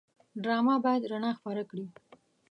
ډرامه باید رڼا خپره کړي